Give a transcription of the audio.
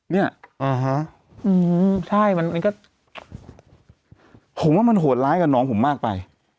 เนี่ยใช่มันก็ผมว่ามันโหดร้ายกับน้องผมมากไป